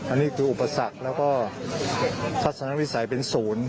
อันนี้คืออุปสรรคแล้วก็ทัศนวิสัยเป็นศูนย์